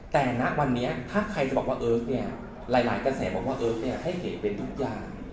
แต่ณวันนี้ถ้าใครจะบอกว่าเอิร์ฟเนี่ยหลายกระแสบอกว่าเอิร์ฟให้เก๋เป็นทุกอย่าง